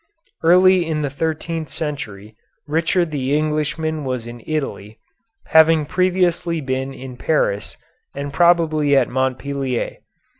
Early in the thirteenth century Richard the Englishman was in Italy, having previously been in Paris and probably at Montpellier.